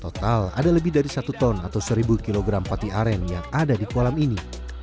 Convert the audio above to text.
total ada lebih dari satu ton atau seribu kg pati aren yang ada di kolam ini